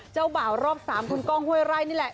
เจ้าบ่าวรอบ๓คุณก้องห้วยไร่นี่แหละ